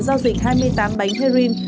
giao dịch hai mươi tám bánh heroin